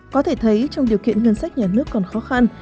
có thể thấy trong điều kiện ngân sách nhà nước còn khó khăn